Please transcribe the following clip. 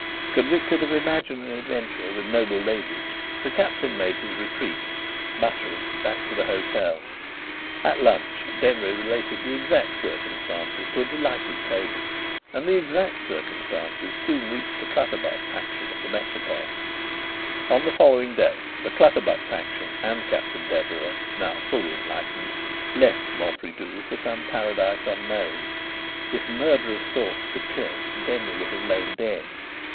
Convicted of imaginary adventure with noble ladies, the Captain made his retreat, muttering, back to the hotel. At lunch Denry related the exact circumstances to a delighted table, and the exact circumstances soon reached the Clutterbuck faction at the Métropole. On the following day the Clutterbuck faction and Captain Deverax (now fully enlightened) left Mont Pridoux for some paradise unknown. If murderous thoughts could kill, Denry would have lain dead.